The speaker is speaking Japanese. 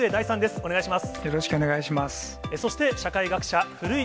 お願いします。